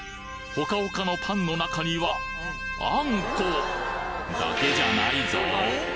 ホカホカのパンの中にはあんこだけじゃないぞ！？